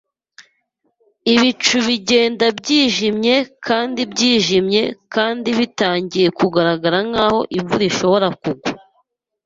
Ibicu bigenda byijimye kandi byijimye kandi bitangiye kugaragara nkaho imvura ishobora kugwa.